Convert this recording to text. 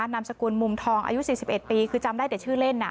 นามสกุลมุมทองอายุ๔๑ปีคือจำได้แต่ชื่อเล่น